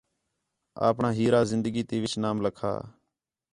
ایناں ہیرا زندگی تی وِچ نام لَکھا